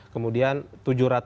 kemudian tujuh ratus lima puluh juta